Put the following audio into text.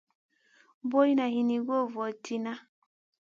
Boyna hini goy voʼo li tihna.